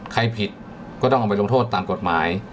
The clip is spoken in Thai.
ใครผิดก็ต้องเอาไปลงโทษตามกฎหมาย